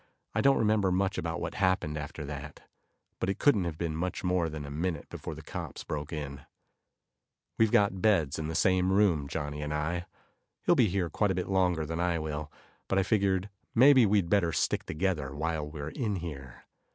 I don't remember much about what happened after that, but it couldn't have been much more than a minute before the cops broke in. We've got beds in the same room, Johnny and I. He'll be here quite a bit longer than I will, but I figured maybe we'd better stick together while we're in here.